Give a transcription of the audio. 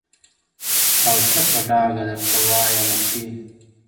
او ښه په ډاگه درته وايمه چي،